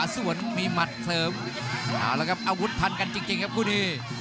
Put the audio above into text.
ส่วนมีมัดเสริมเอาละครับอาวุธพันธ์กันจริงจริงครับคุณอี